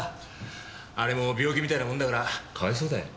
あれも病気みたいなもんだからかわいそうだよ。